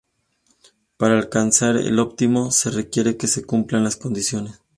Para alcanzar el óptimo se requiere que se cumplan dos condiciones.